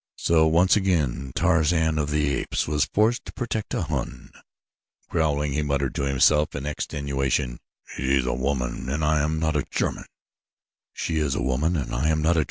So once again Tarzan of the Apes was forced to protect a Hun. Growling, he muttered to himself in extenuation: "She is a woman and I am not a German, so it could not be otherwise!"